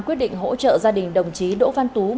quyết định hỗ trợ gia đình đồng chí đỗ văn tú